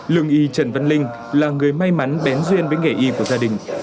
lương y trần văn linh là người may mắn bén duyên với nghề y của gia đình